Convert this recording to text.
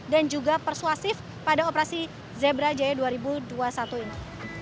dan juga persuasif pada operasi zebra jaya dua ribu dua puluh satu ini